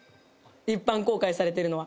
一般公開されてるのは。